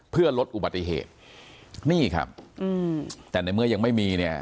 เพื่อลดอุบัติเหตุนี่ครับอืมแต่ในเมื่อยังไม่มีเนี่ย